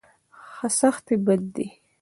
سختي بد دی.